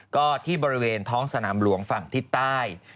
ก็ที่บริเวณท้องสนามหลวงฝั่งทิศใต้